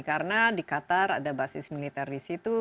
karena di qatar ada basis militer di situ